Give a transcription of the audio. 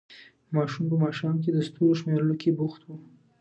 ماشوم په ماښام کې د ستورو شمېرلو کې بوخت وو.